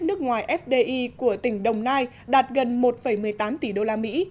nước ngoài fdi của tỉnh đồng nai đạt gần một một mươi tám tỷ đô la mỹ